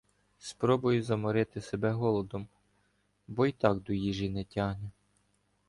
Спробую заморити себе голодом, бо й так до їжі не тягне.